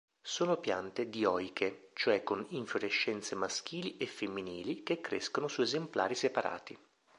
Sono piante dioiche, cioè con infiorescenze maschili e femminili che crescono su esemplari separati.